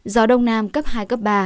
gió đông nam cấp hai cấp ba